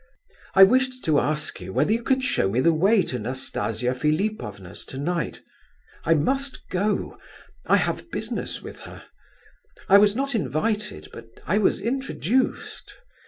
I wished to ask you whether you could show me the way to Nastasia Philipovna's tonight. I must go; I have business with her; I was not invited but I was introduced.